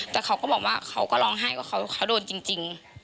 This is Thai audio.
แต่เขาก็บอกว่าเขาก็ร้องไห้ว่าเขาโดนจริง